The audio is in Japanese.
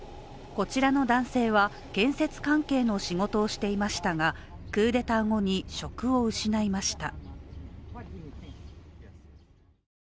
こちらの男性は、建設関係の仕事をしていましたがクーデター後に職を失いました。